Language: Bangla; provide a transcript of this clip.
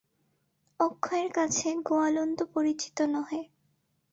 অক্ষয়ের কাছে গোয়ালন্দ পরিচিত নহে।